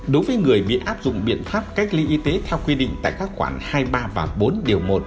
đối với người bị áp dụng biện pháp cách ly y tế theo quy định tại các khoản hai mươi ba và bốn điều một